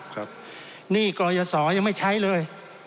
หนี้กรยศยังไม่ใช้เลย